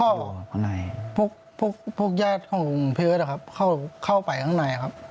ว่ามันเจ็บข้างในพวกญาติของเพื้อนะครับเข้าไปข้างในครับ